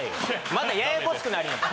またややこしくなります。